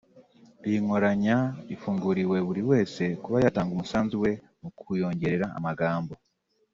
Iyi nkoranya ifunguriwe buri wese kuba yatanga umusanzu we mu kuyongerera amagambo